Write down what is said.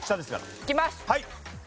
いきます。